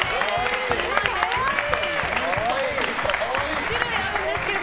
２種類あるんです。